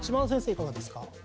いかがですか？